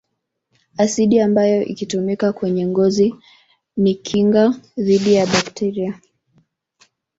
Asidi ambayo ikitumika kwenye ngozi ni kinga dhidi ya bakteria